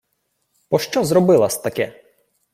— Пощо зробила-с таке?